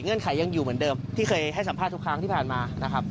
ไขยังอยู่เหมือนเดิมที่เคยให้สัมภาษณ์ทุกครั้งที่ผ่านมานะครับ